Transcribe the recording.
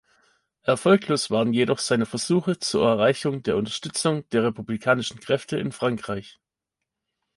Erfolglos waren jedoch seine Versuche zur Erreichung der Unterstützung der republikanischen Kräfte in Frankreich.